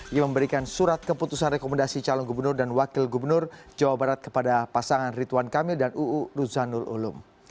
yang memberikan surat keputusan rekomendasi calon gubernur dan wakil gubernur jawa barat kepada pasangan rituan kamil dan uu ruzanul ulum